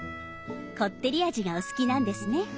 こってり味がお好きなんですね！